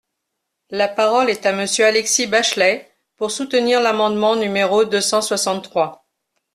La parole est à Monsieur Alexis Bachelay, pour soutenir l’amendement numéro deux cent soixante-trois.